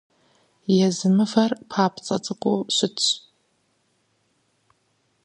Езы мывэр папцӀэ цӀыкӀуу щытщ.